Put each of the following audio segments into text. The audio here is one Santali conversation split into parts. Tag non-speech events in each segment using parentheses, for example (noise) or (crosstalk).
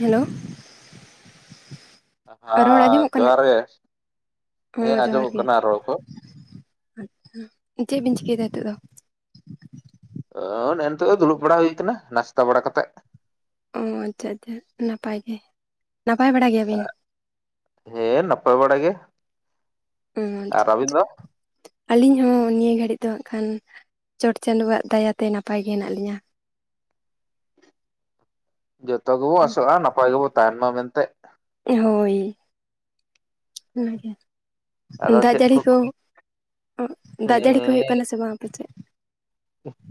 ᱦᱮᱞᱳ ᱨᱚᱲ ᱦᱮᱸ ᱟᱸᱡᱚᱢᱚᱜ ᱠᱟᱱᱟ ᱡᱚᱦᱟᱨ ᱜᱮ ᱦᱮᱸ ᱦᱚᱸ ᱡᱚᱦᱟᱨ ᱟᱸᱡᱚᱢᱚᱜ ᱜᱮ ᱠᱟᱱᱟ ᱨᱚᱲ ᱠᱚ ᱾ ᱟᱪᱪᱷᱟ, ᱪᱮᱫ ᱵᱤᱱ ᱪᱤᱠᱟᱹᱭᱫᱟ ᱦᱤᱛᱚᱜ ᱫᱚ? ᱚᱻ ᱱᱮ-ᱱᱤᱛᱳ ᱫᱚ ᱫᱩᱲᱩᱵ ᱵᱟᱲᱟ ᱦᱩᱭ ᱟᱠᱟᱱᱟ ᱱᱟᱥᱛᱟ ᱵᱟᱲᱟ ᱠᱟᱛᱮᱜ ᱾ ᱚ ᱟᱪᱪᱷᱟ ᱟᱪᱪᱷᱟ ᱱᱟᱯᱟᱭ ᱜᱮ, ᱱᱟᱯᱟᱭ ᱵᱟᱲᱟ ᱜᱮᱭᱟᱵᱤᱱ? ᱦᱮᱻ ᱱᱟᱯᱟᱭ ᱵᱟᱲᱟ ᱜᱮ ᱾ ᱚᱸᱻ ᱟᱪᱪᱷᱟ ᱟᱪᱪᱷᱟ ᱾ ᱟᱹᱞᱤᱧ ᱦᱚᱸ ᱱᱤᱭᱟᱹ ᱜᱷᱟᱹᱲᱤᱡ ᱫᱚ ᱦᱟᱜ ᱠᱷᱟᱱ ᱪᱚᱴ ᱪᱟᱸᱫᱳᱣᱟᱜ ᱫᱟᱭᱟᱛᱮ ᱱᱟᱯᱟᱭ ᱜᱮ ᱦᱮᱱᱟᱜ ᱞᱤᱧᱟ ᱾ ᱡᱚᱛᱚ ᱜᱮᱵᱚ ᱟᱥᱚᱜᱼᱟ ᱱᱟᱯᱟᱭ ᱜᱮᱵᱚ ᱛᱟᱦᱮᱱ ᱢᱟ ᱢᱮᱱᱛᱮ ᱾ ᱦᱳᱭ, ᱚᱱᱟ ᱜᱮ ᱾ ᱟᱫᱚ ᱫᱟᱜ ᱪᱮᱫ ᱡᱟᱹᱲᱤ ᱠᱚ ᱫᱟᱜ ᱡᱟᱹᱲᱤ ᱠᱚ ᱦᱮᱸ ᱦᱩᱭᱩᱜ ᱠᱟᱱᱟ ᱥᱮ ᱵᱟᱝ ᱟᱯᱮ ᱥᱮᱫ?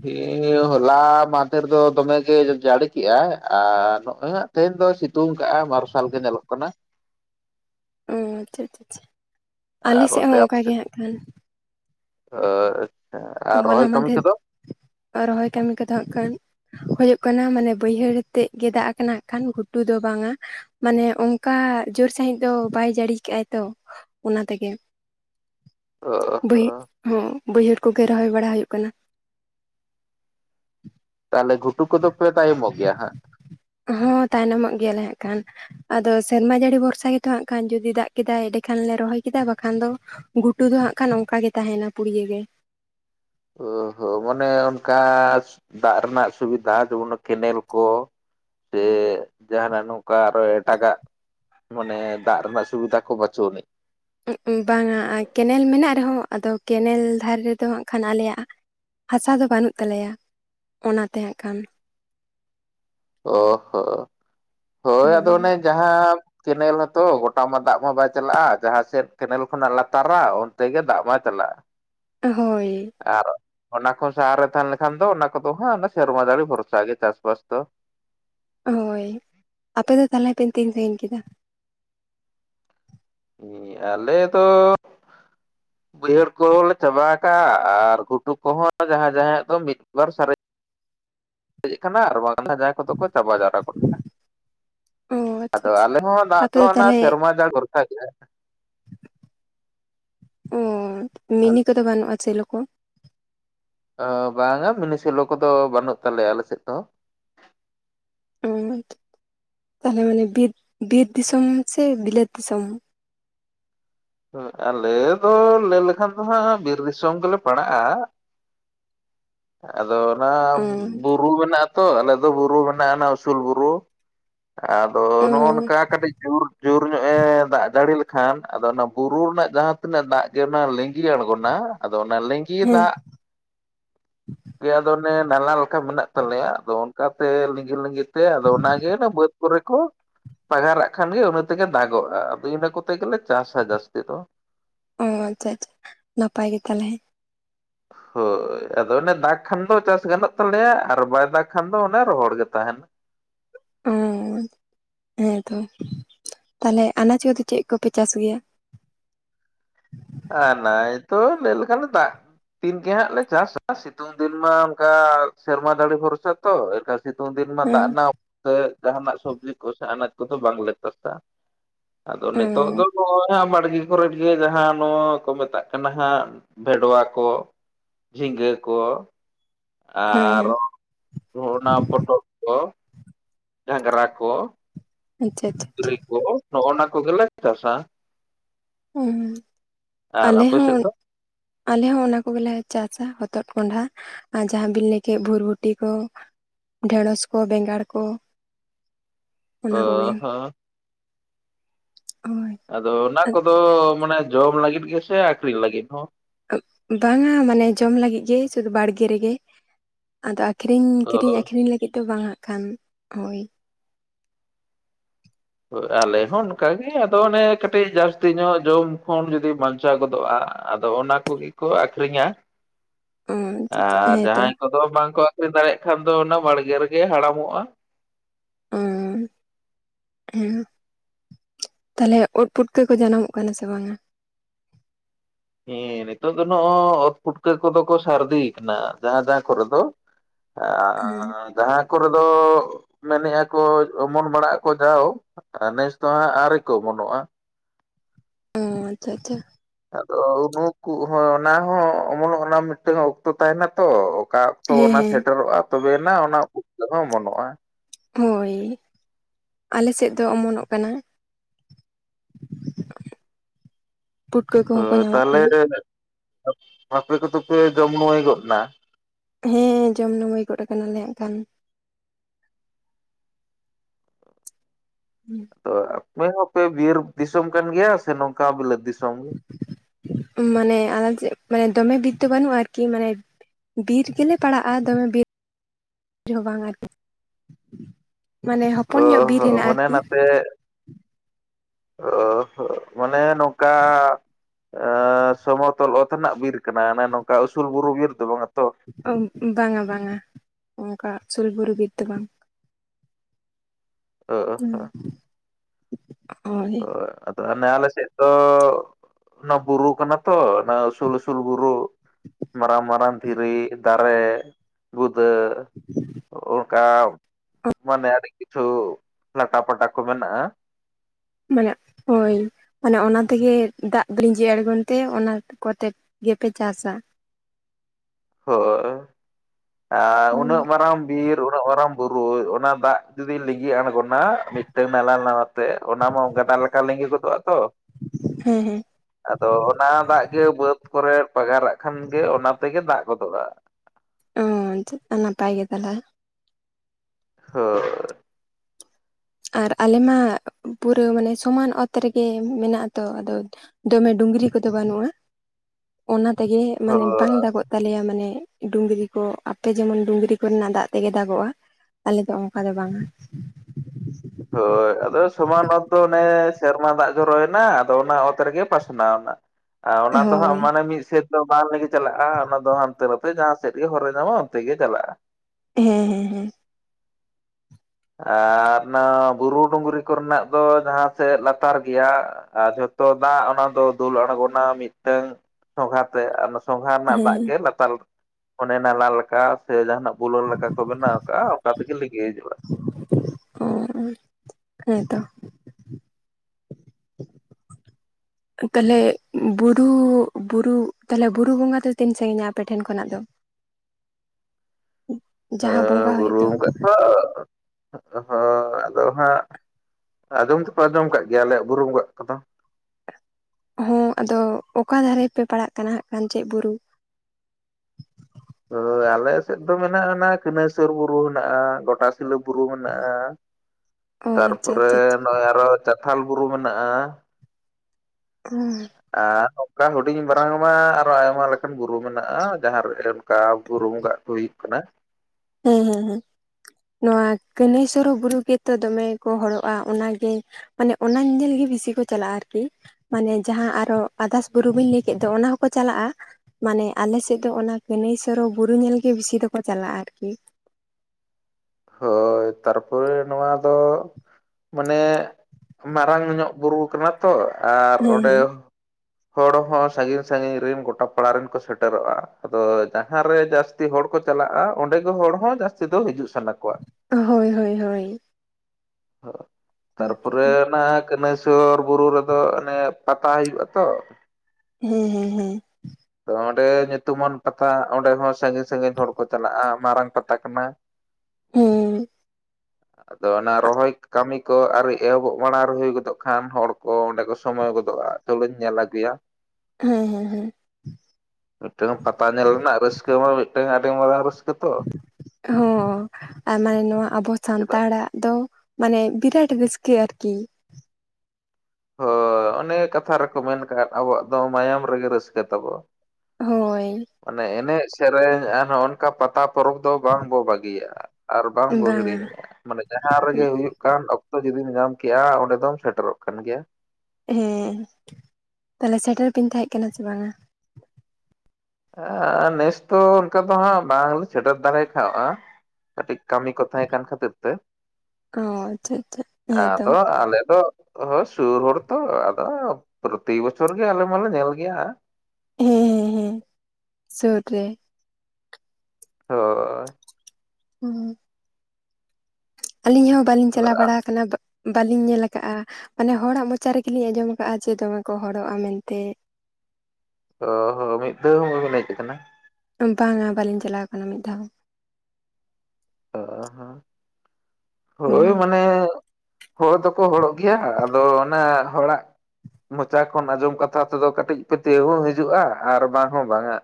ᱦᱮᱸ ᱦᱚᱞᱟ ᱢᱟᱦᱫᱷᱮᱨ ᱫᱚ ᱫᱚᱢᱮ ᱜᱮ ᱡᱟᱹᱲᱤ ᱠᱮᱜᱼᱟᱭ ᱟᱨ ᱱᱚᱜᱼᱚᱭ ᱦᱟᱜ ᱛᱮᱦᱮᱱ ᱫᱚ ᱥᱤᱛᱩᱝ ᱠᱟᱜᱼᱟ ᱢᱟᱨᱥᱟᱞ ᱜᱮ ᱧᱮᱞᱚᱜ ᱠᱟᱱᱟ ᱾ ᱚ ᱟᱪᱪᱷᱟ ᱟᱪᱪᱷᱟ ᱟᱞᱮ ᱟᱨ ᱥᱮᱫ ᱦᱚᱸ ᱚᱝᱠᱟ ᱜᱮ ᱦᱟᱜ ᱠᱷᱟᱱ ᱾ ᱚᱻ ᱦᱚᱞᱟ ᱢᱟᱫᱷᱮᱨ ᱨᱚᱦᱚᱭ ᱠᱟᱹᱢᱤ ᱠᱚᱫᱚ ᱦᱟᱸᱜ ᱠᱷᱟᱱ ᱦᱩᱭᱩᱜ ᱠᱟᱱᱟ ᱢᱟᱱᱮ ᱵᱟᱹᱭᱦᱟᱹᱲ ᱛᱮᱜ ᱜᱮ ᱫᱟᱜ ᱠᱟᱱᱟ ᱦᱟᱜᱠᱷᱟᱱ ᱜᱷᱩᱴᱩ ᱫᱚ ᱵᱟᱝᱼᱟ ᱾ ᱢᱟᱱᱮ ᱚᱝᱠᱟ ᱡᱳᱨ ᱥᱟᱺᱦᱤᱡ ᱫᱚ ᱵᱟᱭ ᱡᱟᱹᱲᱤ ᱠᱟᱜᱼᱟᱭ ᱛᱚ ᱚᱱᱟ ᱛᱮᱜᱮ ᱾ ᱵᱟᱹᱭ ᱦᱚᱸ ᱵᱟᱹᱭᱦᱟᱹᱲ ᱠᱚᱜᱮ ᱨᱚᱦᱚᱭ ᱵᱟᱲᱟ ᱦᱩᱭᱩᱜ ᱠᱟᱱᱟ ᱾ ᱛᱟᱦᱚᱞᱮ ᱜᱷᱩᱴᱩ ᱠᱚᱫᱚ ᱯᱮ ᱛᱟᱭᱚᱢᱚᱜ ᱜᱮᱭᱟ ᱦᱟᱜ? ᱦᱚᱸ ᱛᱟᱭᱱᱚᱢᱚᱜ ᱜᱮᱭᱟᱞᱮ ᱦᱟᱜ ᱠᱷᱟᱱ ᱾ ᱟᱫᱚ ᱥᱮᱨᱢᱟ ᱡᱟᱹᱲᱤ ᱵᱷᱚᱨᱥᱟ ᱜᱮᱛᱚ ᱦᱟᱜ ᱠᱷᱟᱱ ᱡᱩᱫᱤ ᱫᱟᱜ ᱠᱮᱫᱟᱭ ᱮᱸᱰᱮ ᱠᱷᱟᱱ ᱞᱮ ᱨᱚᱦᱚᱭ ᱠᱮᱫᱟ ᱵᱟᱠᱷᱟᱱ ᱫᱚ ᱜᱷᱩᱴᱩ ᱫᱚ ᱦᱟᱸᱜ ᱠᱷᱟᱱ ᱚᱱᱠᱟ ᱜᱮ ᱛᱟᱦᱮᱱᱟ ᱯᱩᱲᱤᱭᱟᱹ ᱜᱮ ᱾ ᱚ ᱦᱚᱸ ᱢᱟᱱᱮ ᱚᱱᱠᱟ ᱫᱟᱜ ᱨᱮᱱᱟᱜ ᱥᱩᱵᱤᱫᱷᱟ ᱡᱮᱢᱚᱱ ᱠᱮᱱᱮᱞ ᱠᱚ ᱥᱮ ᱡᱟᱦᱟᱱᱟᱜ ᱱᱚᱝᱠᱟ ᱟᱨᱦᱚ ᱮᱴᱟᱜᱟᱜ ᱢᱟᱱᱮ ᱫᱟᱜ ᱨᱮᱱᱟᱜ ᱥᱩᱵᱤᱫᱷᱟ ᱠᱚ ᱵᱟᱪᱩᱜ ᱟᱹᱱᱤᱡ ᱾ ᱩᱸᱜ ᱩᱸ ᱵᱟᱝᱟ ᱠᱮᱱᱮᱞ ᱢᱮᱱᱟᱜ ᱨᱮᱦᱚᱸ ᱟᱫᱚ ᱠᱮᱱᱮᱞ ᱫᱷᱟᱨᱮ ᱨᱮᱫᱚ ᱦᱟᱸᱜ ᱠᱷᱟᱱ ᱟᱞᱮᱭᱟᱜ ᱦᱟᱥᱟ ᱫᱚ ᱵᱟᱹᱱᱩᱜ ᱛᱟᱞᱮᱭᱟ ᱚᱱᱟᱛᱮ ᱦᱟᱜ ᱠᱷᱟᱱ ᱾ ᱚᱻ ᱦᱚᱸ ᱾ ᱦᱳᱭ ᱟᱫᱚ ᱚᱱᱮ ᱡᱟᱦᱟᱸ ᱠᱮᱱᱮᱞ ᱦᱚᱸᱛᱚ ᱜᱚᱴᱟ ᱢᱟ ᱫᱟᱜ ᱢᱟ ᱵᱟᱭ ᱪᱟᱞᱟᱜᱼᱟ ᱡᱟᱦᱟᱸ ᱥᱮᱫ ᱠᱮᱱᱮᱞ ᱠᱷᱚᱱᱟᱜ ᱞᱟᱛᱟᱨᱟ ᱚᱱᱛᱮ ᱜᱮ ᱫᱟᱜ ᱢᱟ ᱪᱟᱞᱟᱜᱼᱟ ᱾ ᱦᱳᱭ ᱾ ᱟᱨ ᱚᱱᱟ ᱠᱷᱚᱱ ᱥᱟᱦᱟ ᱨᱮ ᱛᱟᱦᱮᱸ ᱞᱮᱠᱷᱟᱱ ᱫᱚ ᱚᱱᱟ ᱠᱚᱫᱚ ᱦᱟᱸᱜ ᱥᱮᱨᱢᱟ ᱫᱟᱹᱲᱤ ᱵᱷᱚᱨᱥᱟᱜ ᱜᱮ ᱪᱟᱥᱵᱟᱥ ᱫᱚ ᱾ ᱦᱳᱭ, ᱟᱯᱮ ᱫᱚ ᱛᱟᱦᱚᱞᱮ ᱯᱮ ᱛᱤᱧ ᱥᱟᱺᱜᱤᱧ ᱠᱮᱫᱟ? ᱦᱮᱸ ᱟᱞᱮ ᱫᱚᱻ ᱵᱟᱹᱭᱦᱟᱹᱲ ᱠᱚᱦᱚᱸ ᱞᱮ ᱪᱟᱵᱟ ᱠᱟᱜᱼᱟ ᱟᱨ ᱜᱷᱩᱴᱩ ᱠᱚᱦᱚᱸ ᱡᱟᱦᱟᱸᱭ ᱡᱟᱦᱟᱸᱭᱟᱜ ᱫᱚ ᱢᱤᱫ ᱵᱟᱨ ᱥᱟᱨᱮᱡ ᱦᱮᱡ ᱠᱟᱱᱟ ᱟᱨ ᱵᱟᱝ ᱡᱟᱦᱟᱸᱭ ᱠᱚᱫᱚ ᱠᱚ ᱪᱟᱵᱟ ᱡᱟᱣᱨᱟ ᱜᱚᱫ (inaudible) ᱚ ᱟᱪᱪᱷᱟ ᱟᱫᱚ ᱟᱪᱪᱷᱟ ᱟᱞᱮ ᱦᱚᱸ ᱫᱟᱜ ᱫᱚ ᱚᱱᱟ ᱥᱮᱨᱢᱟ (unintelligible) ᱵᱷᱚᱨᱥᱟ ᱜᱮ ᱾ ᱳᱻ ᱢᱤᱱᱤ ᱠᱚᱫᱚ ᱵᱟᱹᱱᱩᱜᱼᱟ ᱪᱮᱞᱳ ᱠᱚ? ᱚᱻ ᱵᱟᱝ-ᱟ ᱢᱤᱱᱤ ᱥᱮᱞᱚ ᱠᱚᱫᱚ ᱵᱟᱹᱱᱩᱜ ᱛᱟᱞᱮᱭᱟ ᱟᱞᱮ ᱥᱮᱫ ᱫᱚ ᱾ ᱚᱻ ᱛᱟᱦᱚᱞᱮ ᱢᱟᱱᱮ ᱵᱤᱨ ᱵᱤᱨ ᱫᱤᱥᱚᱢ ᱥᱮ ᱵᱤᱞᱟᱹᱛ ᱫᱤᱥᱚᱢ? ᱦᱮ ᱟᱞᱮᱻ ᱫᱚ ᱞᱟᱹᱭ ᱞᱮᱠᱷᱟᱱ ᱫᱚ ᱦᱟᱸᱜ ᱵᱤᱨ ᱫᱤᱥᱚᱢ ᱜᱮᱞᱮ ᱯᱟᱲᱟᱜᱼᱟ ᱾ ᱟᱫᱚ ᱚᱱᱟ ᱚ ᱵᱩᱨᱩ ᱢᱮᱱᱟᱜᱼᱟ ᱛᱚ ᱟᱞᱮ ᱫᱚ ᱵᱩᱨᱩ ᱢᱮᱱᱟᱜᱼᱟ ᱚᱱᱟ ᱩᱥᱩᱞ ᱵᱩᱨᱩ ᱾ ᱟᱫᱚ ᱚ ᱱᱚᱜᱼᱚ ᱱᱚᱝᱠᱟ ᱠᱟᱹᱴᱤᱡ ᱡᱳᱨ ᱡᱳᱨ ᱧᱚᱜᱼᱮ ᱫᱟᱜ ᱡᱟᱹᱲᱤ ᱞᱮ ᱠᱷᱟᱱ ᱟᱫᱚ ᱚᱱᱟ ᱵᱩᱨᱩ ᱨᱮᱱᱟᱜ ᱡᱟᱦᱟᱸ ᱛᱤᱱᱟᱹᱜ ᱫᱟᱜ ᱜᱮ ᱚᱱᱟ ᱞᱤᱸᱡᱤ ᱟᱬᱜᱚᱱᱟ ᱟᱫᱚ ᱚᱱᱟ ᱞᱤᱸᱜᱤ ᱦᱮᱸ ᱫᱟᱜ (inaudible) ᱜᱮ ᱟᱫᱚ ᱚᱱᱮ ᱱᱟᱞᱟ ᱞᱮᱠᱟ ᱢᱮᱱᱟᱜ ᱛᱟᱞᱮᱭᱟ ᱟᱫᱚ ᱚᱱᱠᱟᱛᱮ ᱞᱤᱸᱜᱤ ᱞᱤᱸᱜᱤ ᱛᱮ ᱟᱫᱚ ᱚᱱᱟᱜᱮ ᱚᱱᱮ ᱵᱟᱹᱫᱽ ᱠᱚᱨᱮ ᱠᱚ ᱯᱟᱜᱟᱨᱟᱜ ᱠᱷᱟᱱ ᱜᱮ ᱤᱱᱟᱹ ᱛᱮᱜᱮ ᱫᱟᱜᱚᱜᱼᱟ ᱟᱫᱚ ᱤᱱᱟᱹ ᱠᱚᱛᱮ ᱜᱮᱞᱮ ᱪᱟᱥᱟ ᱡᱟᱹᱥᱛᱤ ᱫᱚ᱾ ᱳᱻ ᱟᱪᱪᱷᱟ ᱟᱪᱪᱷᱟ ᱱᱟᱯᱟᱭ ᱜᱮ ᱛᱟᱦᱚᱞᱮᱸ, ᱦᱳᱭ ᱟᱫᱚ ᱚᱱᱮ ᱫᱟᱜ ᱠᱷᱟᱱ ᱫᱚ ᱪᱟᱥ ᱜᱟᱱᱚᱜ ᱛᱟᱞᱮᱭᱟ ᱟᱨ ᱵᱟᱭ ᱫᱟᱜ ᱠᱷᱟᱱ ᱫᱚ ᱚᱱᱮ ᱨᱚᱦᱚᱲ ᱜᱮ ᱛᱟᱦᱮᱱᱟ, ᱳᱻ ᱦᱮᱸᱛᱚ ᱛᱟᱦᱚᱞᱮ ᱟᱱᱟᱡ ᱠᱚᱫᱚ ᱪᱮᱫ ᱠᱚᱯᱮ ᱪᱟᱥ ᱜᱮᱭᱟ? ᱱᱟᱭ ᱛᱚ ᱞᱟᱹᱭ ᱞᱮᱠᱷᱟᱱ ᱫᱟᱜ ᱛᱤᱱᱜᱮ ᱦᱟᱸᱜ ᱞᱮ ᱪᱟᱥᱟ ᱥᱤᱛᱩᱝ ᱫᱤᱱ ᱢᱟ ᱚᱱᱠᱟ ᱥᱮᱨᱢᱟ ᱫᱟᱲᱮ ᱵᱷᱚᱨᱥᱟᱼᱟ ᱛᱚ᱾ ᱥᱤᱛᱩᱝ ᱫᱤᱱ ᱢᱟ ᱦᱮᱸ ᱫᱟᱜ ᱨᱮᱱᱟᱜ ᱚᱠᱛᱮ ᱡᱟᱦᱟᱸᱱᱟᱜ ᱥᱚᱵᱡᱤ ᱠᱚᱥᱮ ᱟᱱᱟᱡᱽ ᱠᱚᱫᱚ ᱵᱟᱝᱞᱮ ᱪᱟᱥᱟ ᱾ ᱟᱫᱚ ᱚ ᱱᱤᱛᱳᱜ ᱦᱮᱸ ᱫᱚ ᱱᱚᱜᱼᱚᱭ ᱵᱟᱲᱜᱮ ᱠᱚᱨᱮ ᱜᱮ ᱡᱟᱦᱟᱸ ᱱᱚᱭᱟ ᱠᱚ ᱢᱮᱛᱟᱜ ᱠᱟᱱᱟ ᱦᱟᱸᱜ ᱵᱷᱮᱰᱣᱟ ᱠᱚ, ᱡᱷᱤᱸᱜᱟᱹ ᱠᱚ, ᱟᱨ ᱦᱮᱸ ᱚᱱᱟ ᱯᱚᱴᱚᱞ, ᱠᱚ ᱜᱷᱟᱸᱜᱽᱨᱟ ᱠᱚ, ᱟᱪᱪᱷᱟ ᱟᱪᱪᱷᱟ ᱟᱪᱪᱷᱟ ᱾ (unintelligible) ᱱᱚᱜᱼᱱᱟ ᱠᱚᱜᱮ ᱞᱮ ᱪᱟᱥᱟ᱾ ᱦ ᱟᱨ ᱟᱞᱮ ᱟᱯᱮ ᱥᱮᱫ ᱦᱚᱸ ᱫᱚ? ᱟᱞᱮ ᱦᱚᱸ ᱚᱱᱟ ᱠᱚᱜᱮᱞᱮ ᱪᱟᱥᱟ ᱦᱚᱛᱚᱫ ᱠᱚᱸᱰᱷᱟ᱾ ᱟᱨ ᱡᱟᱦᱟᱸ ᱵᱤᱱ ᱞᱟᱹᱭ ᱠᱮᱫ ᱵᱷᱩᱨᱵᱷᱩᱴᱤ ᱠᱚ ᱰᱷᱮᱸᱬᱚᱥ ᱠᱚ ᱵᱮᱸᱜᱟᱲ ᱠᱚ ᱾ (inaudible) ᱚᱱᱟ ᱠᱚᱜᱮ᱾ ᱦᱚᱸ ᱦᱳᱭ, ᱟᱫᱚ ᱚᱱᱟ ᱟᱫ ᱠᱚᱫᱚ ᱢᱟᱱᱮ ᱡᱚᱢ ᱞᱟᱹᱜᱤᱫ ᱜᱮᱥᱮ ᱟᱹᱠᱷᱨᱤᱧ ᱞᱟᱹᱜᱤᱫ ᱦᱚᱸ? ᱵᱟᱝᱟ ᱢᱟᱱᱮ ᱡᱚᱢ ᱞᱟᱹᱜᱤᱫ ᱜᱮ ᱥᱩᱫᱩ ᱵᱟᱲᱜᱮ ᱨᱮᱜᱮ᱾ ᱟᱫᱚ ᱟᱠᱷᱨᱤᱧ ᱠᱤᱨᱤᱧ ᱟᱠᱷᱨᱤᱧ ᱞᱟᱹᱜᱤᱫ ᱫᱚ ᱵᱟᱝ ᱦᱟᱸᱜ ᱠᱷᱟᱱ ᱦᱳᱭ᱾ ᱟᱞᱮ ᱦᱚᱸ ᱚᱱᱠᱟᱜᱮ ᱟᱫᱚ ᱚᱱᱮ ᱠᱟᱹᱴᱤᱡ ᱡᱟᱹᱥᱛᱤ ᱧᱚᱜ ᱡᱚᱢ ᱠᱷᱚᱱ ᱡᱩᱫᱤ ᱵᱟᱧ ᱜᱚᱫᱚᱜᱼᱟ ᱟᱫᱚ ᱚᱱᱟ ᱠᱚᱜᱮ ᱠᱚ ᱟᱹᱠᱷᱨᱤᱧᱟ ᱚᱸ ᱪᱮ ᱪᱮ ᱟᱨ ᱦᱮᱸᱛᱚ ᱡᱟᱦᱟᱸᱭ ᱠᱚ ᱟᱫᱚ ᱵᱟᱝᱠᱚ ᱟᱹᱠᱷᱨᱮᱧ ᱫᱟᱲᱮᱭᱟᱜ ᱠᱷᱟᱱ ᱫᱚ ᱚᱱᱟ ᱵᱟᱲᱜᱮ ᱨᱮᱜᱮ ᱦᱟᱲᱟᱢᱚᱜᱼᱟ ᱾ (unintelligible) ᱦᱮᱸ, ᱛᱟᱦᱚᱞᱮ ᱩᱫ ᱯᱩᱴᱠᱟᱹ ᱠᱚ ᱡᱟᱱᱟᱢᱚᱜ ᱠᱟᱱᱟ ᱥᱮ ᱵᱟᱝᱟ? ᱦᱮᱸ ᱱᱤᱛᱚᱜ ᱫᱚ ᱱᱚᱜᱼᱚᱭ ᱚᱛ ᱯᱩᱴᱠᱟᱹ ᱠᱚᱫᱚ ᱠᱚ ᱥᱟᱨᱫᱤ ᱠᱟᱱᱟ ᱡᱟᱦᱟᱸ ᱛᱟᱦᱟᱸ ᱠᱚᱨᱮ ᱫᱚ᱾ ᱦᱮᱸ ᱟᱨ ᱡᱟᱦᱟᱸ ᱠᱚᱨᱮ ᱫᱚ ᱢᱮᱱᱮᱫ ᱟᱠᱚ ᱚᱢᱚᱱ ᱵᱟᱲᱟᱜ ᱟᱠᱚ ᱡᱟᱣ, ᱱᱮᱥ ᱫᱚ ᱦᱟᱸᱜ ᱟᱹᱣᱨᱤ ᱠᱚ ᱚᱢᱚᱱᱚᱜᱼᱟ᱾ ᱚ ᱟᱪᱪᱷᱟ ᱟᱪᱪᱷᱟ, ᱟᱫᱚ ᱩᱱᱩᱠ ᱠᱚᱦᱚ ᱚᱱᱟ ᱦᱚᱸ ᱚᱢᱚᱱᱚᱜ ᱚᱱᱟ ᱢᱤᱫ ᱴᱟᱝ ᱚᱠᱛᱚ ᱛᱟᱦᱮᱸᱱᱟ ᱛᱚ, ᱚᱠᱟ ᱚᱠᱛᱚ ᱦᱮᱸ ᱚᱱᱟ ᱦᱮᱸ ᱥᱮᱴᱮᱨᱚᱜᱼᱟ ᱛᱚᱵᱮᱱᱟᱜ ᱚᱱᱟ ᱩᱫ ᱦᱚᱸ ᱚᱢᱚᱱᱚᱜᱼᱟ ᱾ ᱦᱳᱭ ᱟᱞᱮ ᱥᱮᱫ ᱫᱚ ᱚᱢᱚᱱᱚᱜ ᱠᱟᱱᱟ᱾ (inaudible) ᱯᱩᱴᱠᱟᱹ ᱠᱚᱦᱚᱸ ᱠᱚ ᱧᱟᱢᱚᱜ ᱛᱟᱦᱚᱞᱮ ᱠᱟᱱᱟ ᱟᱯᱮ ᱠᱚᱫᱚ ᱯᱮ ᱡᱚᱢ ᱱᱟᱹᱣᱟᱹᱭ ᱜᱚᱫ ᱱᱟ? ᱦᱮᱸ ᱡᱚᱢ ᱱᱟᱹᱣᱟᱹᱭ ᱜᱚᱫ ᱠᱟᱱᱟᱞᱮ ᱦᱟᱸᱜ ᱠᱷᱟᱱ᱾ ᱦᱮᱸ, ᱛᱚ ᱟᱯᱮ ᱦᱚᱸᱯᱮ ᱵᱤᱨ ᱫᱤᱥᱚᱢ ᱠᱟᱱ ᱜᱮᱭᱟ ᱥᱮ ᱱᱚᱝᱠᱟ ᱵᱤᱞᱟᱹᱛ ᱫᱤᱥᱚᱢ ᱜᱮ? ᱢᱟᱱᱮ ᱟᱞᱮ ᱫᱚ ᱪᱮᱫ ᱢᱟᱱᱮ ᱫᱚᱢᱮ ᱵᱤᱛ ᱫᱚ ᱵᱟᱹᱱᱩᱜᱼᱟ ᱟᱨᱠᱤ ᱢᱟᱱᱮ ᱵᱤᱨ ᱜᱮᱞᱮ ᱯᱟᱲᱟᱜᱼᱟ ᱫᱚᱢᱮ ᱵᱤᱨ ᱦᱚᱸ ᱵᱟᱝ ᱟᱨᱠᱤ᱾ ᱢᱟᱱᱮ ᱚ ᱦᱚᱯᱚᱱ ᱧᱚᱜ ᱵᱤᱨ ᱦᱚᱸ ᱦᱮᱱᱟᱜᱼᱟ ᱢᱟᱱᱮ ᱟᱨᱠᱤ, ᱱᱟᱛᱮ ᱢᱟᱱᱮ ᱱᱚᱝᱠᱟ ᱮᱻ ᱥᱚᱢᱚᱛᱚᱞ ᱳᱛ ᱨᱮᱱᱟᱜ ᱵᱤᱨ ᱠᱟᱱᱟ᱾ ᱚᱱᱮ ᱱᱚᱝᱠᱟ ᱩᱥᱩᱞ ᱵᱩᱨᱩ ᱵᱤᱨ ᱫᱚ ᱵᱟᱝᱟ ᱛᱚ? ᱵᱟᱝᱟ ᱵᱟᱝᱟ ᱚᱱᱠᱟ ᱩᱥᱩᱞ ᱵᱩᱨᱩ ᱵᱤᱨ ᱫᱚ ᱵᱟᱝ᱾ ᱚ ᱦᱚᱸ ᱦᱩᱸ, ᱦᱳᱭ᱾ ᱟᱫᱚ ᱚᱱᱮ ᱟᱞᱮ ᱥᱮᱫ ᱫᱚ ᱚᱱᱟ ᱵᱩᱨᱩ ᱠᱟᱱᱟ ᱛᱚ ᱚᱱᱟ ᱩᱥᱩᱞ ᱩᱥᱩᱞ ᱵᱩᱨᱩ ᱾ ᱢᱟᱨᱟᱝ ᱢᱟᱨᱟᱝ ᱫᱷᱤᱨᱤ ᱫᱟᱨᱮ ᱜᱩᱫᱟᱹ ᱚᱱᱠᱟ ᱢᱟᱱᱮ ᱟᱹᱰᱤ ᱠᱤᱪᱷᱩ ᱞᱟᱴᱟᱯᱴᱟ ᱠᱚ ᱢᱮᱱᱟᱜᱼᱟ ᱾ ᱢᱟᱱᱮ ᱳᱭ ᱢᱟᱱᱮ ᱚᱱᱟ ᱛᱮᱜᱮ ᱫᱟᱜ ᱞᱤᱡᱤᱱ ᱟᱲᱜᱚᱱ ᱛᱮ ᱚᱱᱟ ᱠᱚᱛᱮ ᱜᱮᱯᱮ ᱪᱟᱥᱟ? ᱦᱳᱭ ᱩᱱᱟᱹᱜ ᱦᱮᱸ ᱢᱟᱨᱟᱝ ᱵᱤᱨ ᱩᱱᱟᱹᱜ ᱢᱟᱨᱟᱝ ᱵᱩᱨᱩᱭ ᱚᱱᱟ ᱫᱟᱜ ᱡᱩᱫᱤ ᱞᱤᱜᱤᱜ ᱟᱬᱜᱚᱱᱟ ᱢᱤᱫᱴᱟᱝ ᱱᱟᱞᱟ ᱨᱮᱱᱟᱜ ᱮᱱᱛᱮᱫ ᱚᱱᱟ ᱢᱟ ᱜᱟᱰᱟ ᱞᱮᱠᱟ ᱞᱤᱸᱜᱤ ᱜᱚᱫᱚᱜᱼᱟ ᱛᱚ ᱦᱮᱸ ᱟᱫᱚ ᱚᱱᱟ ᱫᱟᱜ ᱜᱮ ᱵᱟᱹᱫ ᱠᱚᱨᱮ ᱯᱟᱜᱟᱨᱟᱜ ᱠᱷᱟᱱ ᱜᱮ ᱚᱱᱟ ᱛᱮᱜᱮ ᱫᱟᱜ ᱜᱚᱫᱚᱜᱼᱟ᱾ ᱦᱩ ᱪᱮᱫ ᱠᱟ ᱱᱟᱯᱟᱭ ᱜᱮᱭᱟ ᱛᱟᱦᱚᱞᱮ ᱦᱳᱭ᱾ ᱟᱨ ᱟᱞᱮ ᱢᱟ ᱯᱩᱨᱟᱹ ᱢᱟᱱᱮ ᱥᱚᱢᱟᱱ ᱚᱛ ᱨᱮᱜᱮ ᱢᱮᱱᱟᱜ ᱟ ᱛᱚ ᱟᱫᱚ ᱫᱚᱢᱮ ᱰᱩᱝᱨᱤ ᱠᱚᱫᱚ ᱵᱟᱹᱱᱩᱜᱼᱟ ᱚᱱᱟ ᱛᱮᱜᱮ ᱢᱟᱱᱮ ᱵᱟᱝ ᱦᱳᱭ ᱫᱟᱜᱚᱜ ᱛᱟᱞᱮᱭᱟ ᱢᱟᱱᱮ ᱰᱩᱝᱨᱤ ᱠᱚ ᱟᱯᱮ ᱡᱮᱢᱚᱱ ᱰᱩᱝᱨᱤ ᱠᱚᱨᱮᱱᱟᱜ ᱫᱟᱜ ᱛᱮᱜᱮ ᱫᱟᱜᱚᱜᱼᱟ᱾ ᱟᱞᱮ ᱫᱚ ᱚᱱᱠᱟ ᱫᱚ ᱵᱟᱝᱟ᱾ ᱦᱳᱭ ᱟᱫᱚ ᱥᱚᱢᱟᱱ ᱚᱛ ᱫᱚ ᱚᱱᱮ ᱥᱮᱨᱢᱟ ᱫᱟᱜ ᱡᱚᱨᱚᱭᱮᱱᱟ ᱟᱫᱚ ᱚᱱᱟ ᱚᱛ ᱨᱮᱜᱮ ᱯᱟᱥᱱᱟᱣ ᱮᱱᱟ᱾ ᱚᱱᱟ ᱫᱚ ᱦᱟᱸᱜ ᱦᱳᱭ ᱢᱟᱱᱮ ᱢᱤᱫ ᱥᱮᱫ ᱫᱚ ᱵᱟᱝ ᱞᱤᱸᱜᱤ ᱪᱟᱞᱟᱜᱼᱟ ᱚᱱᱟ ᱫᱚ ᱦᱟᱱᱛᱮ ᱱᱟᱛᱮ ᱡᱟᱦᱟᱸ ᱥᱮᱫ ᱜᱮ ᱦᱚᱨᱮ ᱧᱟᱢᱟ ᱚᱱᱛᱮ ᱜᱮ ᱪᱟᱞᱟᱜᱼᱟ᱾ ᱦᱮᱸ ᱦᱮᱸ ᱦᱮᱸ᱾ ᱟᱨ ᱚᱱᱟ ᱵᱩᱨᱩ ᱰᱩᱝᱨᱤ ᱠᱚᱨᱮᱱᱟᱜ ᱫᱚ ᱡᱟᱦᱟᱸ ᱥᱮᱫ ᱞᱟᱛᱟᱨ ᱜᱮᱭᱟ ᱡᱚᱛᱚ ᱛᱚ ᱫᱟᱜ ᱚᱱᱟ ᱫᱚ ᱫᱩᱞ ᱟᱬᱜᱚᱱᱟ ᱢᱤᱫᱴᱟᱝ ᱥᱚᱸᱜᱷᱟ ᱛᱮ ᱟᱨ ᱥᱚᱸᱜᱷᱟ ᱨᱮᱱᱟᱜ ᱦᱮᱸ ᱫᱟᱜ ᱦᱮᱸ ᱜᱮ ᱞᱟᱛᱟᱨ ᱚᱱᱮ ᱱᱟᱞᱟ ᱞᱮᱠᱟ ᱥᱮ ᱡᱟᱦᱟᱱᱟᱜ ᱵᱩᱞᱟᱱ ᱞᱮᱠᱟ ᱠᱚ ᱵᱮᱱᱟᱣ ᱟᱠᱟᱫᱼᱟ᱾ (inaudible) ᱚ ᱦᱮᱸᱛᱚ᱾ ᱛᱟᱦᱚᱞᱮ ᱵᱩᱨᱩ ᱵᱩᱨᱩ ᱛᱟᱦᱚᱞᱮ ᱵᱩᱨᱩ ᱵᱚᱸᱜᱟ ᱫᱚ ᱛᱤᱱ ᱥᱟᱺᱜᱤᱧᱟ ᱟᱯᱮᱴᱷᱮᱱ ᱠᱷᱚᱱᱟᱜ ᱫᱚ ᱡᱟᱦᱟᱸ ᱦᱮᱸ ᱵᱚᱸᱜᱟ ᱦᱳᱭᱳᱜ ᱫᱚ ᱦᱳᱭ ᱟᱫᱚ ᱦᱟᱸᱜ ᱟᱫᱚᱢ ᱫᱚᱯᱮ ᱟᱫᱚᱢ ᱠᱟᱜ ᱜᱮᱭᱟ ᱟᱞᱮᱭᱟᱜ ᱵᱩᱨᱩ ᱵᱚᱸᱜᱟ ᱦᱚᱸ ᱟᱫᱚ ᱚᱠᱟ ᱫᱷᱟᱨᱮ ᱯᱮ ᱯᱟᱲᱟᱜ ᱠᱟᱱᱟ ᱦᱟᱸᱜ ᱠᱷᱟᱱ ᱪᱮᱫ ᱵᱩᱨᱩ? ᱦᱳᱭ ᱟᱞᱮ ᱥᱮᱫ ᱫᱚ ᱢᱮᱱᱟᱜᱼᱟᱱᱟ ᱠᱟᱹᱱᱟᱹᱭᱥᱚᱨ ᱵᱩᱨᱩ ᱦᱮᱱᱟᱜᱼᱟ ᱜᱚᱴᱟ ᱛᱤᱞᱟ ᱵᱩᱨᱩ ᱢᱮᱱᱟᱜᱼᱟ ᱚ ᱟᱪᱪᱷᱟ ᱛᱟᱨᱯᱚᱨᱮ ᱟᱪᱪᱷᱟ ᱟᱪᱪᱷᱟ ᱱᱚᱜᱼᱚᱭ ᱟᱨᱚ ᱪᱟᱛᱷᱟᱞ ᱵᱩᱨᱩ ᱢᱮᱱᱟᱜᱼᱟ᱾ ᱦᱩᱸ᱾ ᱟᱨ ᱱᱚᱝᱠᱟ ᱦᱩᱰᱤᱧ ᱢᱟᱨᱟᱝ ᱢᱟ ᱟᱨᱚ ᱟᱭᱢᱟ ᱞᱮᱠᱟᱱ ᱵᱩᱨᱩ ᱢᱮᱱᱟᱜᱼᱟ ᱡᱟᱦᱟᱸ ᱨᱮ ᱚᱱᱠᱟ ᱵᱩᱨᱩ ᱵᱚᱸᱜᱟ ᱦᱩᱭᱩ ᱠᱟᱱᱟ ᱦᱮᱸ ᱦᱮᱸ ᱦᱮᱸ᱾ ᱱᱚᱣᱟ ᱠᱟᱹᱱᱟᱹᱭᱥᱚᱨ ᱵᱩᱨᱩ ᱜᱮᱛᱚ ᱫᱚᱢᱮ ᱠᱚ ᱦᱚᱲᱚᱜᱼᱟ ᱚᱱᱟᱜᱮ ᱢᱟᱱᱮ ᱚᱱᱟ ᱧᱮᱧᱮᱞ ᱜᱮ ᱵᱮᱥᱤ ᱠᱚ ᱪᱟᱞᱟᱜᱼᱟ ᱟᱨᱠᱤ ᱢᱟᱱᱮ ᱡᱟᱦᱟ ᱟᱨᱚ ᱟᱫᱟᱨᱥ ᱵᱩᱨᱩ ᱵᱤᱱ ᱞᱟᱹᱭ ᱠᱮᱫ ᱫᱚ ᱚᱱᱟ ᱦᱚᱸᱠᱚ ᱪᱟᱞᱟᱜᱼᱟ᱾ ᱢᱟᱱᱮ ᱟᱞᱮ ᱥᱮᱫ ᱫᱚ ᱚᱱᱟ ᱠᱟᱹᱱᱟᱹᱭ ᱥᱚᱨᱚ ᱵᱩᱨᱩ ᱧᱮᱞᱜᱮ ᱵᱮᱥᱤ ᱫᱚᱠᱚ ᱪᱟᱞᱟᱜᱼᱟ ᱟᱨᱠᱤ ᱦᱳᱭ ᱛᱟᱨᱯᱚᱨᱮ ᱱᱚᱣᱟ ᱫᱚ ᱢᱟᱱᱮ ᱢᱟᱨᱟᱝ ᱧᱚᱜ ᱵᱩᱨᱩ ᱠᱟᱱᱟ ᱛᱚ ᱟᱨ ᱦᱮᱸ ᱚᱸᱰᱮ ᱦᱮᱸ ᱦᱚᱲ ᱦᱚᱸ ᱥᱟᱺᱜᱤᱧ ᱥᱟᱺᱜᱤᱧ ᱨᱮᱱ ᱜᱚᱴᱟ ᱯᱟᱲᱟ ᱨᱮᱱ ᱠᱚ ᱥᱮᱴᱮᱨᱚᱜᱼᱟ ᱟᱫᱚ ᱡᱟᱦᱟᱸᱨᱮ ᱡᱟᱹᱥᱛᱤ ᱡᱟᱹᱥᱛᱤ ᱦᱚᱲ ᱠᱚ ᱪᱟᱞᱟᱜᱼᱟ ᱚᱸᱰᱮ ᱜᱮᱮ ᱦᱚᱲ ᱦᱚᱸ ᱡᱟᱹᱥᱛᱤ ᱫᱚ ᱦᱤᱡᱩᱜ ᱥᱟᱱᱟ ᱠᱚᱣᱟ᱾ ᱦᱳᱭ ᱦᱳᱭ ᱦᱳᱭ᱾ ᱚᱱᱟ ᱛᱟᱨᱯᱚᱨᱮ ᱛᱮᱜᱮ ᱚᱱᱟ ᱠᱟᱱᱟᱭ ᱥᱳᱨ ᱵᱩᱨᱩ ᱨᱮᱫᱚ ᱚᱱᱮ ᱯᱟᱛᱟ ᱦᱩᱭᱩᱜᱼᱟ ᱛᱚ᱾ ᱦᱮᱸ ᱦᱮᱸ ᱦᱮᱸ᱾ ᱛᱚ ᱚᱸᱰᱮ ᱧᱩᱛᱩᱢᱟᱱ ᱯᱟᱛᱟ ᱚᱸᱰᱮ ᱦᱚᱸ ᱥᱟᱺᱜᱤᱧ ᱥᱟᱺᱜᱤᱧ ᱦᱚᱲ ᱠᱚ ᱪᱟᱞᱟᱜᱼᱟ ᱢᱟᱨᱟᱝ ᱯᱟᱛᱟ ᱠᱟᱱᱟ᱾ ᱦᱩ᱾ ᱟᱫᱚ ᱚᱱᱟ ᱨᱚᱦᱚᱭ ᱠᱟᱹᱢᱤ ᱟᱹᱨᱤ ᱮᱦᱚᱵᱚᱜ ᱵᱟᱲᱟ ᱨᱮ ᱦᱩᱭ ᱜᱚᱫᱚᱜ ᱠᱷᱟᱱ ᱦᱚᱲ ᱠᱚ ᱚᱸᱰᱮ ᱠᱚ ᱥᱚᱢᱚᱭ ᱜᱚᱫᱚᱜᱼᱟ᱾ ᱛᱩᱞᱩᱧ ᱧᱮᱞ ᱟᱜᱩᱭᱟ᱾ ᱦᱮᱸ ᱦᱮᱸ ᱦᱮᱸ᱾ ᱢᱤᱫᱴᱟᱝ ᱯᱟᱛᱟ ᱧᱮᱞ ᱨᱮᱱᱟᱜ ᱨᱟᱹᱥᱠᱟᱹ ᱢᱟ ᱢᱤᱫᱴᱟᱝ ᱟᱹᱰᱤ ᱢᱟᱨᱟᱝ ᱨᱟᱹᱥᱠᱟᱹ ᱛᱚ᱾ ᱦᱚᱸᱻ ᱟᱨ ᱢᱟᱱᱮ ᱱᱚᱣᱟ ᱟᱵᱚ ᱪᱮᱫᱟᱜ ᱥᱟᱱᱛᱟᱲᱟᱜ ᱫᱚ ᱵᱤᱨᱟᱴ ᱨᱟᱹᱥᱠᱟ ᱟᱨᱠᱤ᱾ ᱦᱳᱭ ᱚᱱᱮ ᱠᱟᱛᱷᱟ ᱨᱮᱠᱚ ᱢᱮᱱ ᱟᱠᱟᱫ ᱟᱵᱚᱣᱟᱜ ᱫᱚ ᱢᱟᱭᱟᱢ ᱨᱮᱜᱮ ᱨᱟᱹᱥᱠᱟᱹ ᱛᱟᱵᱚ᱾ ᱦᱳᱭ᱾ ᱢᱟᱱᱮ ᱮᱱᱮᱡ ᱥᱮᱨᱮᱧ ᱟᱨᱦᱚᱸ ᱚᱱᱠᱟ ᱯᱟᱛᱟ ᱯᱚᱨᱚᱵᱽ ᱫᱚ ᱵᱟᱝ ᱵᱚ ᱵᱟᱹᱜᱤᱭᱟᱜᱼᱟ᱾ ᱟᱨ ᱵᱟᱝ ᱵᱚ ᱵᱟᱝᱟ ᱦᱤᱲᱤᱧ ᱮᱜᱼᱟ᱾ ᱢᱟᱱᱮ ᱡᱟᱦᱟᱸ ᱨᱮᱜᱮ ᱦᱩᱭᱩᱜ ᱠᱟᱱ ᱚᱠᱛᱚ ᱡᱩᱫᱤᱢ ᱧᱟᱢ ᱠᱮᱜᱼᱟ ᱚᱸᱰᱮ ᱫᱚᱢ ᱥᱮᱴᱮᱨᱚᱜ ᱠᱟᱱ ᱜᱮᱭᱟ᱾ ᱦᱮᱸ ᱛᱟᱦᱚᱞᱮ ᱥᱮᱴᱮᱨ ᱵᱤᱱ ᱛᱟᱦᱮᱸ ᱠᱟᱱᱟ ᱥᱮ ᱵᱟᱝᱼᱟ? ᱟᱻ ᱱᱮᱥ ᱫᱚ ᱚᱱᱠᱟ ᱫᱚ ᱦᱟᱸᱜ ᱵᱟᱝ ᱞᱮ ᱥᱮᱴᱮᱨ ᱫᱟᱲᱮ ᱠᱷᱟᱣᱼᱟ᱾ ᱠᱟᱹᱴᱤᱡ ᱠᱟᱹᱢᱤ ᱠᱚ ᱛᱟᱦᱮᱸ ᱠᱟᱱ ᱠᱷᱟᱹᱛᱤᱨ ᱛᱮ ᱚ ᱟᱪᱪᱷᱟ ᱟᱪᱪᱷᱟ ᱦᱮᱸᱛᱚ ᱟᱫᱚ ᱟᱞᱮ ᱫᱚ ᱦᱳ ᱥᱩᱨ ᱦᱚᱲ ᱛᱚ ᱟᱫᱚ ᱯᱚᱨᱚᱛᱤ ᱵᱚᱪᱷᱚᱨ ᱜᱮ ᱟᱞᱮ ᱢᱟᱞᱮ ᱧᱮᱞ ᱜᱮᱭᱟ᱾ ᱦᱮᱸ ᱦᱮᱸ ᱦᱮᱸ ᱥᱳᱫ ᱨᱮ ᱦᱳᱭᱻ ᱦᱩᱸᱻ ᱟᱹᱞᱤᱧ ᱦᱚᱸ ᱵᱟᱹᱞᱤᱧ ᱪᱟᱞᱟᱣ ᱟᱫᱚ ᱵᱟᱲᱟ ᱟᱠᱟᱱᱟ ᱵᱟ ᱵᱟᱞᱤᱧ ᱧᱮᱞ ᱟᱠᱟᱫᱼᱟ ᱢᱟᱱᱮ ᱦᱚᱲᱟᱜ ᱢᱚᱪᱟ ᱨᱮᱜᱮᱞᱤᱧ ᱟᱸᱡᱚᱢ ᱟᱠᱟᱫᱼᱟ ᱡᱮ ᱫᱚᱢᱮ ᱠᱚ ᱦᱚᱲᱚᱜᱼᱟ ᱢᱮᱱᱛᱮ᱾ ᱚ ᱦᱚᱸ ᱢᱤᱫ ᱫᱷᱟᱣ ᱦᱚᱸ ᱵᱟᱹᱵᱤᱱ ᱦᱮᱡ ᱟᱠᱟᱱᱟ? ᱵᱟᱝᱼᱟ ᱵᱟᱹᱞᱤᱧ ᱪᱟᱞᱟᱣ ᱟᱠᱟᱱᱟ ᱢᱤᱫ ᱫᱷᱟᱣ ᱦᱚᱸ᱾ ᱚ ᱦᱚ ᱦᱳᱭ ᱢᱟᱱᱮ ᱦᱚᱲ ᱫᱚᱠᱚ ᱦᱚᱲᱚᱜ ᱜᱮᱭᱟ ᱟᱫᱚ ᱚᱱᱟ ᱦᱚᱲᱟᱜ ᱢᱚᱪᱟ ᱠᱷᱚᱱ ᱟᱸᱡᱚᱢ ᱠᱟᱛᱷᱟ ᱛᱮᱫᱚ ᱠᱟᱹᱴᱤᱡ ᱯᱟᱹᱛᱭᱟᱹᱣ ᱦᱚᱸ ᱦᱤᱡᱩᱜᱼᱟ ᱟᱨ ᱵᱟᱝ ᱦᱚᱸ ᱵᱟᱝᱼᱟ᱾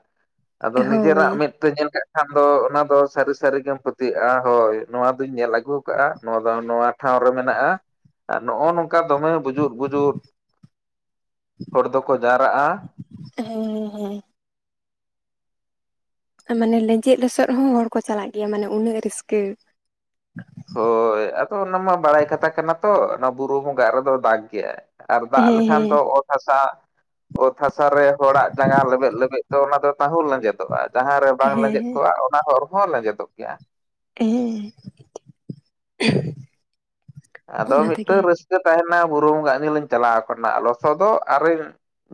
ᱟᱫᱚ ᱦᱳᱭ ᱱᱤᱡᱮᱨᱟᱜ ᱢᱮᱫ ᱛᱮ ᱧᱮᱞ ᱠᱟᱜ ᱠᱷᱟᱱ ᱫᱚ ᱚᱱᱟ ᱫᱚ ᱥᱟᱹᱨᱤ ᱥᱟᱹᱨᱤ ᱜᱮᱢ ᱯᱩᱛ ᱛᱤᱜᱼᱟ ᱦᱳᱭ ᱱᱚᱣᱟ ᱫᱩᱧ ᱧᱮᱞ ᱟᱹᱜᱩ ᱠᱟᱜᱼᱟ ᱱᱚᱣᱟ ᱫᱚ ᱱᱚᱣᱟ ᱴᱷᱟᱸᱣ ᱨᱮ ᱢᱮᱱᱟᱜᱼᱟ ᱟᱨ ᱱᱚᱜᱼᱚ ᱱᱚᱝᱠᱟ ᱫᱚᱢᱮ ᱵᱩᱡᱩᱫᱽ ᱵᱩᱡᱩᱫᱽ ᱦᱚᱲ ᱫᱚᱠᱚ ᱡᱟᱣᱨᱟᱜᱼᱟ᱾ ᱦᱮᱸ ᱦᱮᱸ᱾ ᱢᱟᱱᱮ ᱞᱮᱸᱡᱮᱛ ᱞᱚᱥᱚᱫ ᱨᱮᱦᱚᱸ ᱦᱚᱲ ᱠᱚ ᱪᱟᱞᱟᱜ ᱜᱮᱭᱟ ᱢᱟᱱᱮ ᱩᱱᱟᱹᱜ ᱨᱟᱹᱥᱠᱟ᱾ ᱦᱳᱭ ᱟᱫᱚ ᱚᱱᱟ ᱢᱟ ᱵᱟᱲᱟᱭ ᱠᱟᱛᱷᱟ ᱠᱟᱱᱟ ᱛᱚ ᱚᱱᱟ ᱵᱩᱨᱩ ᱵᱚᱸᱜᱟᱜ ᱨᱮᱫᱚ ᱫᱟᱜᱽ ᱜᱮᱭᱟ᱾ ᱟᱨ ᱫᱟᱜ ᱦᱮᱸ ᱞᱮᱠᱷᱟᱱ ᱫᱚ ᱦᱮᱸ ᱚᱛ ᱦᱟᱥᱟ ᱚᱛ ᱦᱟᱥᱟ ᱨᱮ ᱦᱚᱲᱟᱜ ᱡᱟᱸᱜᱟ ᱞᱮᱵᱮᱫ ᱞᱮᱵᱮᱫ ᱛᱚ ᱚᱱᱟ ᱫᱚ ᱛᱟᱸᱦᱩ ᱞᱮᱸᱡᱮᱫᱚᱜᱼᱟ ᱡᱟᱦᱟᱸ ᱨᱮ ᱵᱟᱝ ᱦᱮᱸ ᱞᱮᱸᱡᱮᱫ ᱦᱮᱸ ᱠᱚᱜᱼᱟ ᱚᱱᱟ ᱦᱚᱨ ᱦᱚᱸ ᱞᱮᱸᱡᱮᱫᱚᱜ ᱜᱮᱭᱟ᱾ ᱦᱮᱸᱻ (inaudible) ᱟᱫᱚ ᱚᱱᱟ ᱛᱮᱜᱮ ᱢᱤᱫᱴᱟᱝ ᱨᱟᱹᱥ ᱡᱮ ᱛᱟᱦᱮᱱᱟ ᱵᱩᱨᱩ ᱵᱚᱝᱜᱟ ᱮᱱᱦᱤᱞᱳᱜ ᱪᱟᱞᱟᱣ ᱟᱠᱟᱱᱟ ᱞᱚᱥᱚᱫᱚᱜ ᱟᱹᱨᱤᱧ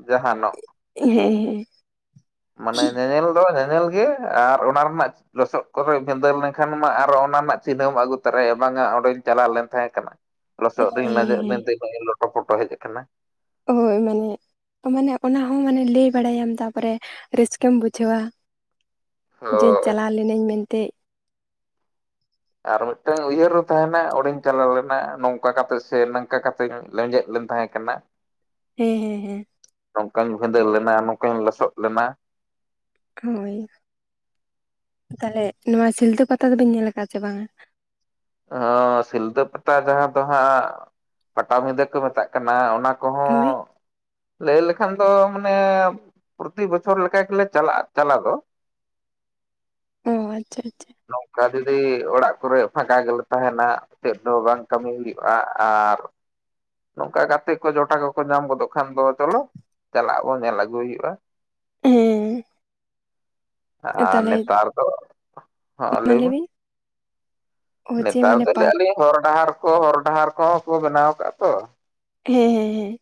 ᱡᱟᱦᱟᱱᱚᱜ᱾ ᱦᱮᱸ ᱦᱮᱸ ᱾ ᱢᱟᱱᱮ ᱧᱮᱧᱮᱞ ᱫᱚ ᱧᱮᱧᱮᱞ ᱜᱮ ᱟᱨ ᱚᱱᱟ ᱨᱮᱱᱟᱜ ᱞᱚᱥᱚᱫ ᱠᱚᱨᱮ ᱵᱷᱤᱸᱫᱟᱹᱲ ᱞᱮᱱᱠᱷᱟᱱ ᱢᱟ ᱟᱨᱚ ᱚᱱᱟ ᱨᱮᱱᱟᱜ ᱪᱤᱱᱦᱟᱹᱢ ᱟᱹᱜᱩ ᱛᱚᱨᱟᱭᱟ ᱵᱟᱝᱟ ᱚᱸᱰᱮᱧ ᱪᱟᱞᱟᱣ ᱞᱮᱱ ᱛᱟᱦᱮᱸ ᱠᱟᱱᱟ ᱾ ᱞᱚᱥᱚᱫ ᱨᱤᱝ ᱦᱮᱸ (inaudible) ᱦᱮᱸ ᱢᱮᱱᱛᱮ (inaudible) ᱤᱧ ᱞᱚᱴᱚᱯᱚᱴᱚ ᱦᱮᱡ ᱟᱠᱟᱱᱟ ᱾ ᱦᱳᱭ ᱢᱟᱱᱮ ᱢᱟᱱᱮ ᱚᱱᱟ ᱦᱚᱸ ᱢᱟᱱᱮ ᱞᱟᱹᱭ ᱵᱟᱲᱟᱭᱟᱢ ᱛᱟᱯᱚᱨᱮ ᱨᱟᱹᱥᱠᱟᱹᱢ ᱵᱩᱡᱷᱟᱹᱣᱟ ᱡᱮᱧ ᱦᱳᱭ ᱪᱟᱞᱟᱣ ᱞᱤᱱᱟᱹᱧ ᱢᱮᱱᱛᱮ ᱾ ᱟᱨ ᱢᱤᱫᱴᱟᱝ ᱩᱭᱦᱟᱹᱨ ᱦᱚᱸ ᱛᱟᱦᱮᱱᱟ ᱚᱸᱰᱮᱧ ᱪᱟᱞᱟᱣ ᱞᱮᱱᱟ ᱱᱚᱝᱠᱟ ᱠᱟᱛᱮ ᱥᱮ ᱱᱟᱝᱠᱟ ᱠᱟᱛᱮᱧ ᱞᱮᱸᱡᱮᱫ ᱞᱮᱱ ᱛᱟᱦᱮᱸ ᱠᱟᱱᱟ ᱾ (unintelligible) ᱦᱮᱸ ᱦᱮᱸ ᱦᱮᱸ ᱾ ᱱᱚᱝᱠᱟᱧ ᱵᱷᱤᱸᱫᱟᱹᱲ ᱞᱮᱱᱟ ᱱᱚᱝᱠᱟᱧ ᱞᱚᱥᱚᱫ ᱞᱮᱱᱟ ᱦᱳᱭ ᱛᱟᱦᱚᱞᱮ ᱱᱚᱣᱟ ᱥᱤᱞᱫᱟᱹ ᱯᱟᱛᱟ ᱫᱚᱵᱤᱱ ᱧᱮᱞ ᱟᱠᱟᱫᱟᱼᱟ ᱥᱮ ᱵᱟᱝ? ᱚ ᱥᱤᱞᱫᱟᱹ ᱯᱟᱛᱟ ᱡᱟᱦᱟᱸ ᱫᱚ ᱦᱟᱸᱜ ᱯᱟᱴᱟᱵᱤᱫᱟᱹ ᱠᱚ ᱢᱮᱛᱟᱜ ᱠᱟᱱᱟ ᱚᱱᱟ ᱠᱚᱦᱚᱸ ᱦᱳᱭ ᱾ ᱞᱟᱹᱭ ᱞᱮᱠᱷᱟᱱ ᱫᱚ ᱢᱟᱱᱮ ᱯᱨᱚᱛᱤ ᱵᱚᱪᱷᱚᱨ ᱞᱮᱠᱟ ᱜᱮᱞᱮ ᱪᱟᱞᱟᱜᱼᱟ ᱪᱟᱞᱟᱣ ᱫᱚ᱾ ᱚᱻ ᱟᱪᱪᱷᱟ ᱟᱪᱪᱷᱟ ᱾ ᱱᱚᱝᱠᱟ ᱡᱩᱫᱤ ᱚᱲᱟᱜ ᱠᱚᱨᱮ ᱯᱷᱟᱠᱟ ᱜᱮᱞᱮ ᱛᱟᱦᱮᱱᱟ ᱪᱮᱫ ᱦᱚᱸ ᱵᱟᱝ ᱠᱟᱹᱢᱤ ᱦᱩᱭᱩᱜᱼᱟ, ᱟᱨ ᱱᱚᱝᱠᱟ ᱜᱟᱛᱮ ᱠᱚ ᱡᱚᱴᱟ ᱠᱚᱠᱚ ᱧᱟᱢ ᱜᱚᱫᱚᱜ ᱠᱷᱟᱱ ᱫᱚ ᱪᱚᱞᱚ ᱪᱟᱞᱟᱜ ᱟᱵᱚᱱ ᱧᱮᱞ ᱟᱹᱜᱩᱭ ᱦᱩᱭᱩᱜᱼᱟ ᱾ ᱦᱮᱸ ᱾ ᱟᱨ ᱱᱮᱛᱟᱨ ᱫᱚ, ᱦᱚᱸᱚ ᱢᱟ ᱞᱟᱹᱭ ᱢᱮ? ᱵᱤᱱ ᱚ ᱡᱮ ᱱᱮᱛᱟᱨ ᱢᱟᱱᱮ ᱫᱚ ᱯᱟᱨᱠ ᱟᱹᱞᱤᱧ ᱦᱚᱨ ᱰᱟᱦᱟᱨ ᱠᱚ ᱦᱚᱨ ᱰᱟᱦᱟᱨ ᱠᱚᱦᱚᱸ ᱠᱚ ᱵᱮᱱᱟᱣ ᱟᱠᱟᱫᱼᱟ ᱫᱚ᱾ ᱦᱮᱸ ᱦᱮᱸ ᱦᱮᱸ ᱾